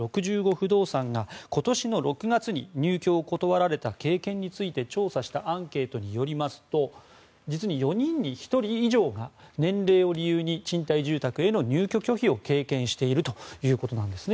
不動産が今年の６月に入居を断られた経験について調査したアンケートによりますと実に４人に１人以上が年齢を理由に賃貸住宅への入居拒否を経験しているということです。